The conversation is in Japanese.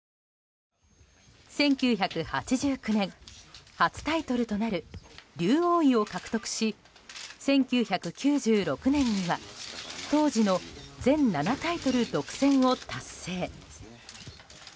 １９８９年初タイトルとなる竜王位を獲得し１９９６年には当時の全７タイトル独占を達成。